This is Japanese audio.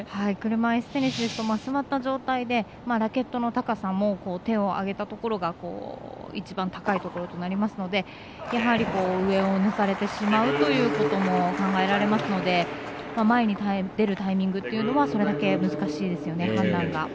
車いすテニスですと座った状態でラケットの高さも手を上げたところが一番高いところとなりますのでやはり、上を抜かれてしまうということも考えられますので前に出るタイミングというのはそれだけ判断が難しいですよね。